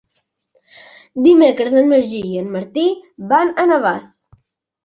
Dimecres en Magí i en Martí van a Navàs.